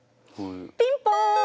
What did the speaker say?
ピンポン！